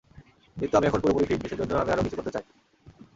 কিন্তু আমি এখন পুরোপুরি ফিট, দেশের জন্য আমি আরও কিছু করতে চাই।